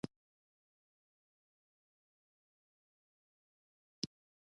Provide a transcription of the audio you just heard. چې داسې ښکاري چا د سړک ژیړ رنګ ورباندې توی کړی دی